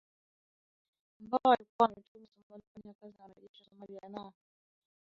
ambao walikuwa wametumwa Somalia kufanya kazi na wanajeshi wa Somalia na